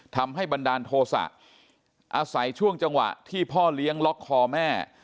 บันดาลโทษะอาศัยช่วงจังหวะที่พ่อเลี้ยงล็อกคอแม่